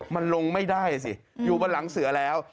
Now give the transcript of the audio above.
มันลงไม่ได้สิอยู่บนหลังเสือแล้ว